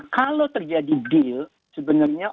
kalau terjadi deal sebenarnya